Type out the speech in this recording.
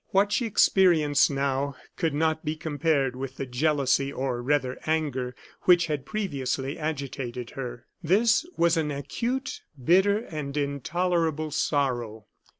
What she experienced now could not be compared with the jealousy, or rather anger, which had previously agitated her. This was an acute, bitter, and intolerable sorrow.